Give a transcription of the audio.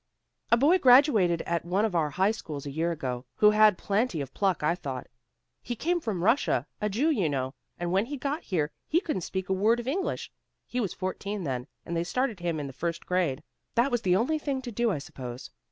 "A boy graduated at one of our high schools a year ago, who had plenty of pluck, I thought. He came from Russia, a Jew, you know, and when he got here he couldn't speak a word of English. He was fourteen then, and they started him in the first grade. That was the only thing to do, I suppose.